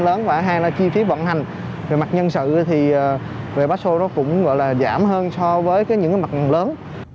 lớn và hai là chi phí vận hành về mặt nhân sự thì basso cũng gọi là giảm hơn so với những mặt năng lớn